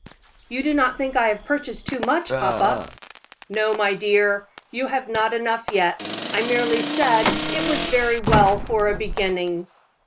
"You do not think I have purchased too much, papa?" "No, my dear, you have not enough yet. I merely said it was very well for a beginning."